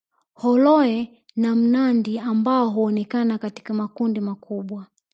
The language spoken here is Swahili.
Horoe na mnandi ambao huonekana katika makundi makubwa